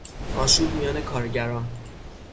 آشوب میان کارگران